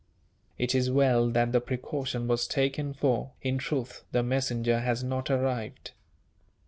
"It is well that the precaution was taken for, in truth, the messenger has not arrived."